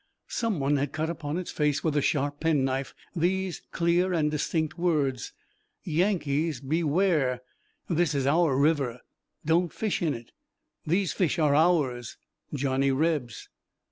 Someone had cut upon its face with a sharp penknife these clear and distinct words: Yankees Beware This is our River Don't Fish in It These Fish are Ours. JOHNNY REBS.